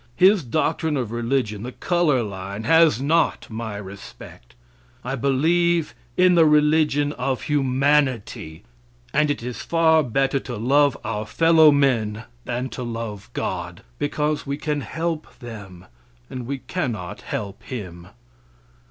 His doctrine of religion, the color line, has not my respect. I believe in the religion of humanity, and it is far better to love our fellow men than to love God, because we can help them, and we cannot help Him.